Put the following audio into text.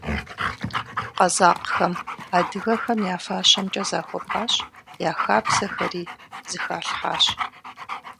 Къэзакъхэм адыгэхэм я фащэмкӀэ захуэпащ, я хабзэхэри зыхалъхьащ.